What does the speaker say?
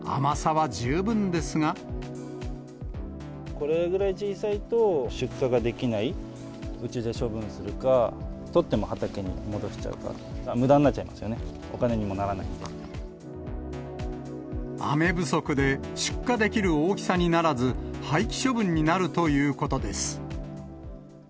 これぐらい小さいと、出荷ができない、うちで処分するか、取っても畑に戻しちゃうか、むだになっちゃいますよね、雨不足で、出荷できる大きさにならず、廃棄処分になるということです。